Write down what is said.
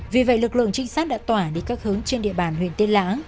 vì vậy lực lượng trinh sát đã tỏa đi các hướng trên địa bàn huyện tiên lãng